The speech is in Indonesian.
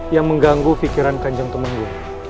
yang mengganggu fikiran kanjeng temenggu